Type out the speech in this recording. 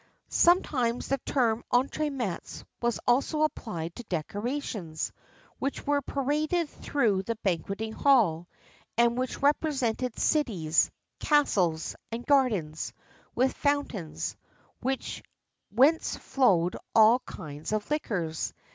[XXXIV 30] Sometimes the term entre mets was also applied to decorations, which were paraded through the banqueting hall, and which represented cities, castles, and gardens, with fountains, whence flowed all kinds of liquors.